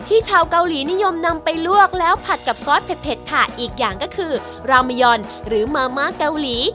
ชาวเกาหลีนิยมนำไปลวกแล้วผัดกับซอสเผ็ดถ่าอีกอย่างก็คือรามายอนหรือมาม่าเกาหลี